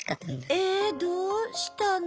えどうしたの？